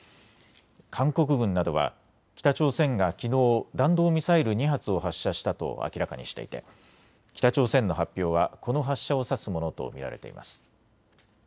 韓国軍などは北朝鮮がきのう弾道ミサイル２発を発射したと明らかにしていて、北朝鮮の発表はこの発射を指すものと見られています。